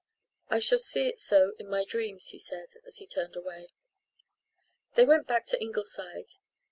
"I shall see it so in my dreams," he said, as he turned away. They went back to Ingleside.